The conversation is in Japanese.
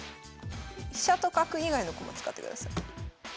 飛車と角以外の駒使ってください。